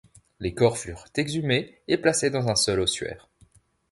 Les corps furent exhumés et placés dans un seul ossuaire.